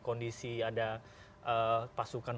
kondisi ada pasukan